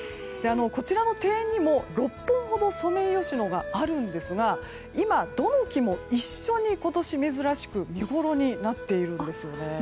こちらの庭園にも６本ほどソメイヨシノがあるんですが今、どの木も一緒に見ごろになっているんですよね。